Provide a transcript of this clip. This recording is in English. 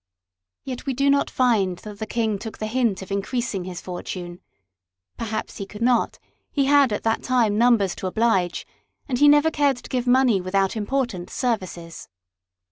Yet we do not find that the King took the hint of increasing his fortune ; perhaps he could not ; he had at that time numbers to oblige, and he never cared to give money without important services.